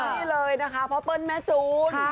นี่เลยนะคะพ่อเปิ้ลแม่จูน